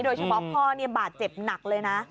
โดยเฉพาะพ่อบาดเจ็บหนักเลยนะ